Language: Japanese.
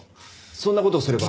そんな事をすれば。